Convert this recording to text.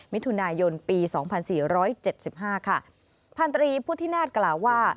มิถุนายนปีสองพันสี่ร้อยเจ็ดสิบห้าค่ะพันธรีพุทธินาศกล่าวว่า